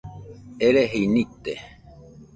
Ereji nite